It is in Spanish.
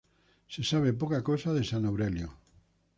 Se sabe pocas cosas de San Aurelio.